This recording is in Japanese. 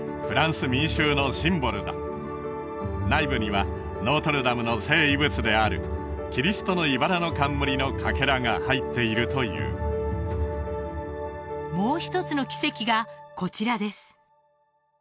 フランス民衆のシンボルだ内部にはノートルダムの聖遺物であるキリストのいばらの冠のかけらが入っているというもう一つの奇跡がこちらです